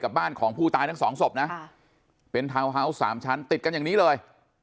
บ้านของผู้ตายทั้งสองศพนะเป็นทาวน์ฮาวส์สามชั้นติดกันอย่างนี้เลย